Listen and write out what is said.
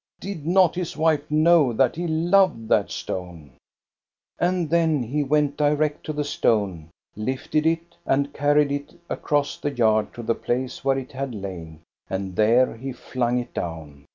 Did not his wife know that he loved that stone ? And then he went direct to the stone, lifted it, and carried it across the yard to the place where it had lain, and there he flung it down.